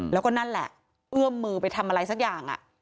แล้วก็นั่นแหละเอื้อมมือไปทำอะไรสักอย่าง